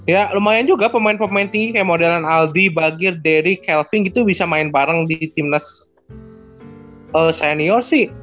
ya lumayan juga pemain pemain tinggi kayak modern aldi bagir dery kelvin gitu bisa main bareng di timnas senior sih